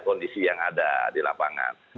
kondisi yang ada di lapangan